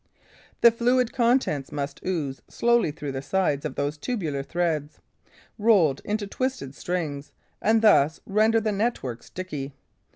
The fluid contents must ooze slowly through the side of those tubular threads, rolled into twisted strings, and thus render the network sticky.